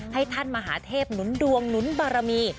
ให้ท่านมหาเทพหนุนดวงหนุนบารมี